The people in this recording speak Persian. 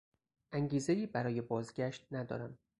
انگیزهای برای بازگشت ندارم.